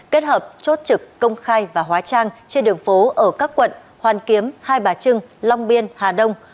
kết hợp chốt trực công khai và hóa trang trên đường phố ở các quận hoàn kiếm hai bà trưng long biên hà đông